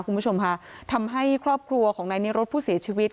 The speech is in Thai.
คุณผู้ชมค่ะทำให้ครอบครัวของนายนิรุธผู้เสียชีวิต